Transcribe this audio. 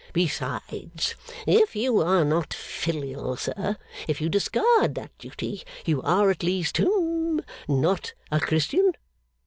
Besides; if you are not filial, sir, if you discard that duty, you are at least hum not a Christian?